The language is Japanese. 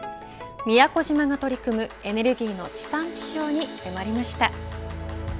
宮古島が取り組むエネルギーの地産地消に迫りました。